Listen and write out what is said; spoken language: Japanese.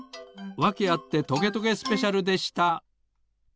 「わけあってトゲトゲスペシャル」でした。